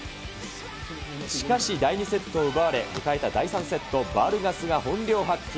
しかし、第２セットを奪われ、迎えた第３セット、バルガスが本領発揮。